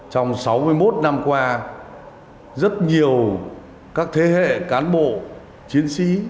trong sáu mươi một năm qua rất nhiều các thế hệ cán bộ chiến sĩ